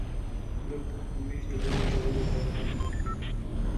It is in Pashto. دلته همېش د لوړو ژورو بيرغونه رپېږي.